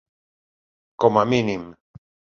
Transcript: Com a mínim.